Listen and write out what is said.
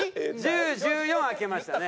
１０１４開けましたね。